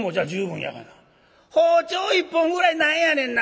「包丁１本ぐらい何やねんな。